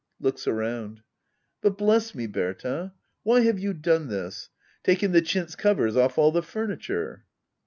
[Looks around,] But bless me, Berta — why have you done this? Taken the chintz covers off all the furniture